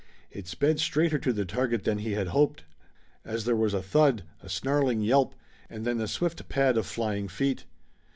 It sped straighter to the target than he had hoped, as there was a thud, a snarling yelp, and then the swift pad of flying feet.